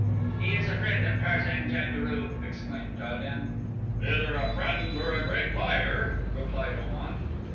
"He is a friend of Tarzan jad guru," exclaimed Ta den. "Either a friend or a great liar," replied Om at.